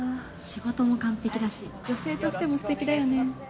仕事も完璧だし女性としても素敵だよね。